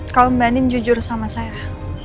kau mainin jujur sama saya